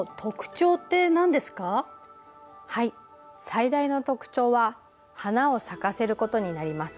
最大の特徴は花を咲かせることになります。